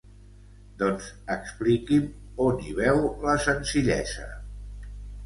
Doncs expliqui'm on hi veu la senzillesa.